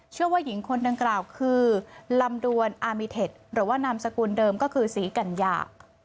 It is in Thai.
ว่าหญิงคนดังกล่าวคือลำดวนอามิเทคหรือว่านามสกุลเดิมก็คือศรีกัญญา